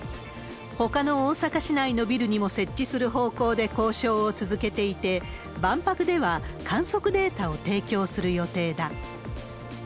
ほかの大阪市内のビルにも設置する方向で交渉を続けていて、万博では観測データを提供する予定だ。